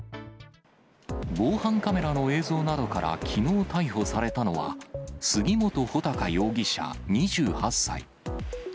防犯カメラの映像などから、きのう逮捕されたのは、杉本武尊容疑者２８歳。